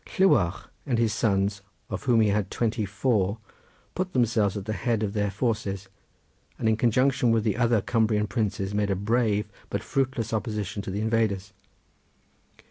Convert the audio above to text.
Llewarch and his sons, of whom he had twenty four, put themselves at the head of their forces, and in conjunction with the other Cumbrian princes made a brave but fruitless opposition to the invaders.